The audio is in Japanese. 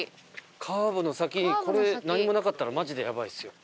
カーブの先にこれ何もなかったらマジでやばいですよ。